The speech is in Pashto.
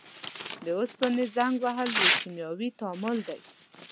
د اوسپنې زنګ وهل یو کیمیاوي تعامل دی.